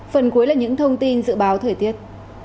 phần cuối là những thông tin dự báo thời tiết